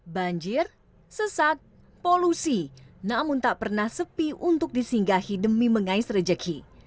banjir sesak polusi namun tak pernah sepi untuk disinggahi demi mengais rejeki